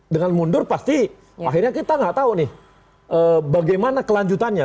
dengan mundur pasti akhirnya kita nggak tahu nih bagaimana kelanjutannya